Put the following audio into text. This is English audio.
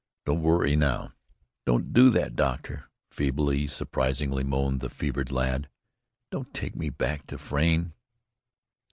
"Don't worry now." "Don't do that, doctor," feebly, surprisingly moaned the fevered lad. "Don't take me back to Frayne!"